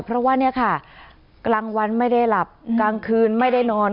เพราะว่าเนี่ยค่ะกลางวันไม่ได้หลับกลางคืนไม่ได้นอน